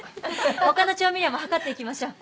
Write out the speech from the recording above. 他の調味料も量っていきましょう。